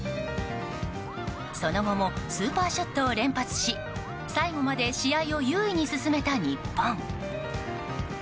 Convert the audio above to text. その後もスーパーショットを連発し最後まで試合を優位に進めた日本。